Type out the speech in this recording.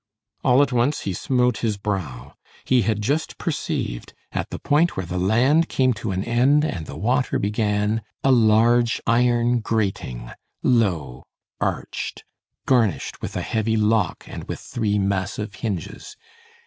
All at once he smote his brow. He had just perceived, at the point where the land came to an end and the water began, a large iron grating, low, arched, garnished with a heavy lock and with three massive hinges.